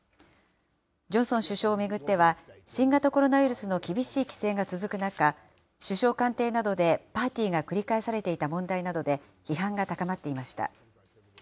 ジョンソン首相を巡っては、新型コロナウイルスの厳しい規制が続く中、首相官邸などでパーティーが繰り返されていた問題などで、批判が高まっていました。